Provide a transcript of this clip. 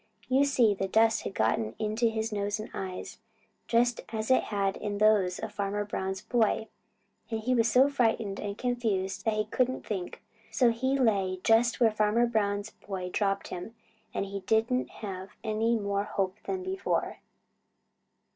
You see the dust had got in his nose and eyes just as it had in those of Farmer Brown's boy, and he was so frightened and confused that he couldn't think. So he lay just where Farmer Brown's boy dropped him, and he didn't have any more hope than before.